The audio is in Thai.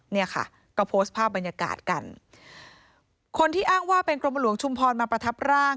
เนี่ยค่ะก็โพสต์ภาพบรรยากาศกันคนที่อ้างว่าเป็นกรมหลวงชุมพรมาประทับร่าง